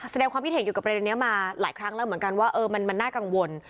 แสดงความคิดเห็นเกี่ยวกับประเด็นนี้มาหลายครั้งแล้วเหมือนกันว่ามันน่ากังวล